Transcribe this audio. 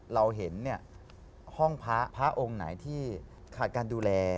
เราเห็นเนี่ยห้องพ้าพ้าองค์ไหนที่ขาดการดูแล